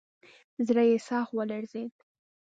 زړه یې سخت ولړزېد.